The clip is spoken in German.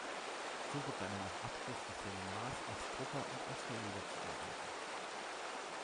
So begann er nach Abschluss des Seminars als Drucker und als Verleger zu arbeiten.